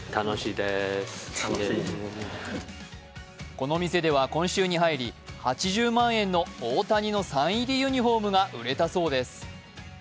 この店では今週に入り８０万円の大谷のサイン入りユニフォームが売れたそうです。